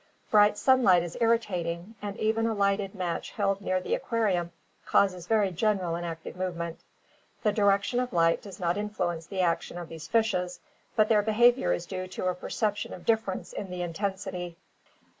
Bright sunlight is irritating, and even a lighted match held near the aquarium causes very general and active movement. The direc tion of light does not influence the action of these fishes, but their behavior is due to a perception of difference in the intensity.